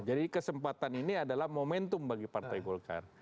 jadi kesempatan ini adalah momentum bagi partai golkar